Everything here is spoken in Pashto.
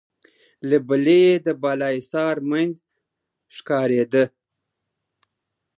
له بلې يې د بالاحصار مينځ ښکارېده.